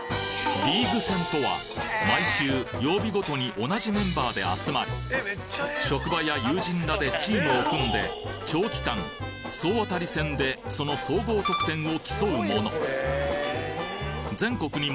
リーグ戦とは毎週曜日ごとに同じメンバーで集まり職場や友人らでチームを組んで長期間総当たり戦でその総合得点を競うもの